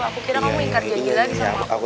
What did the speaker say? aku kira kamu ngekar jadi lagi sama aku